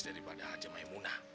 daripada haji maimunah